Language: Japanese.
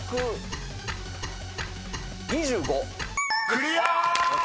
［クリア！］